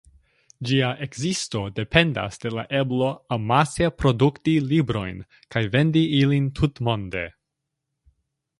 Ĝia ekzisto dependas de la eblo amase produkti librojn kaj vendi ilin tutmonde.